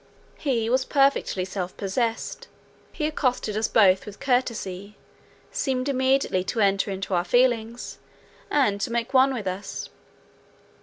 He was perfectly self possessed; he accosted us both with courtesy, seemed immediately to enter into our feelings, and to make one with us.